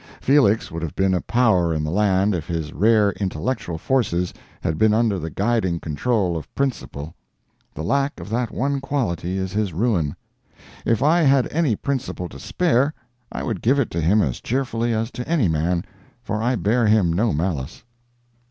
Felix would have been a power in the land if his rare intellectual forces had been under the guiding control of principle. The lack of that one quality is his ruin. If I had any principle to spare, I would give it to him as cheerfully as to any man, for I bear him no malice.